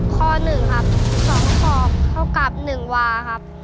ข้อ๑ครับ๒ขอบเท่ากับ๑วาครับ